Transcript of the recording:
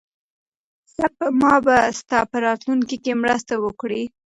سپما به ستا په راتلونکي کې مرسته وکړي.